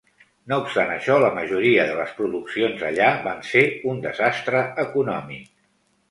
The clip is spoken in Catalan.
No obstant això, la majoria de les produccions allà van ser un desastre econòmic.